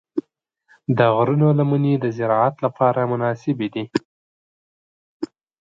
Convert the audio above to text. د غرونو لمنې د زراعت لپاره مناسبې دي.